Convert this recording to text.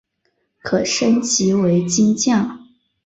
可升级为金将。